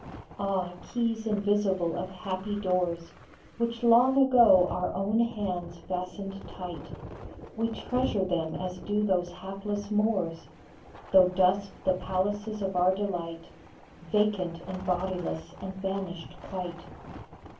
Ah, keys invisible of happy doors Which long ago our own hands fastened tight ! We treasure them as do those hapless Moors, Though dust the palaces of our delight, Vacant and bodiless and vanished quite.